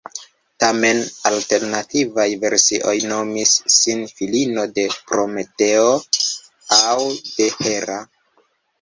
Tamen, alternativaj versioj nomis ŝin filino de Prometeo aŭ de Hera.